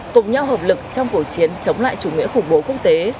cùng nhau hợp lực trong cuộc chiến chống lại chủ nghĩa khủng bố quốc tế